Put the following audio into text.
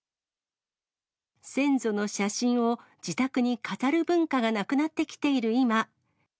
先祖の写真を自宅に飾る文化がなくなってきている今。